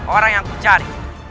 orang yang ku cari